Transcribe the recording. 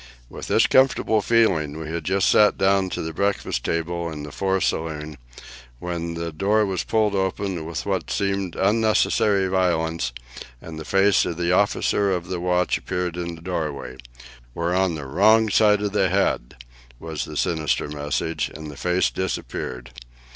With this comfortable feeling we had just sat down to the breakfast table in the fore saloon, when the door was pulled open with what seemed unnecessary violence, and the face of the officer of the watch appeared in the doorway. "We're on the wrong side of the head," was the sinister message, and the face disappeared.